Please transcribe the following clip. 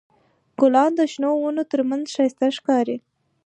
ګلان د شنو ونو تر منځ ښایسته ښکاري.